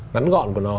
nắn gọn của nó